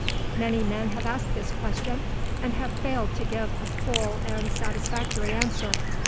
Many men have asked this question and have failed to give a full and satisfactory answer.